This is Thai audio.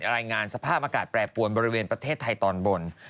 รายงานสภาพอากาศแปรปวนบริเวณประเทศไทยตอนบน